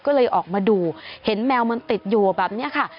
ก็เลยออกมาดูเห็นแมวมันติดอยู่แบบนี้ค่ะ